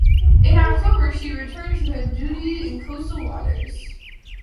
In October, she returned to duty in coastal waters.